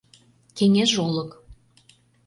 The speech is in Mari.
Кеҥеж олык.